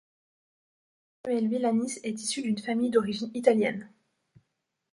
Emmanuel Villanis est issu d'une famille d'origine italienne.